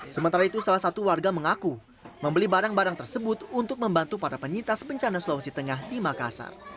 sementara itu salah satu warga mengaku membeli barang barang tersebut untuk membantu para penyintas bencana sulawesi tengah di makassar